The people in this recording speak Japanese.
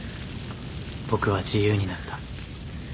僕は自由になった。